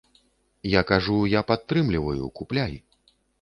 Я кажу, я падтрымліваю, купляй.